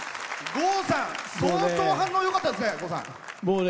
郷さん相当、反応よかったですね。